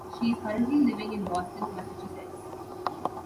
She is currently living in Boston, Massachusetts.